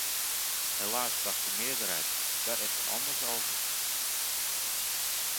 Helaas dacht de meerderheid daar echter anders over.